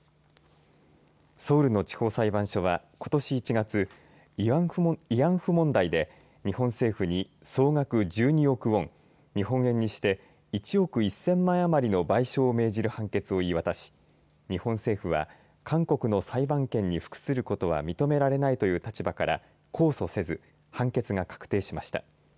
ソウルの地方裁判所はことし１月慰安婦問題で日本政府に総額１２億ウォン日本円にして１億１０００万円余りの賠償を免じる判決を言い渡し日本政府は韓国の裁判権に服することは認められないという立場から控訴せず判決が確定しました。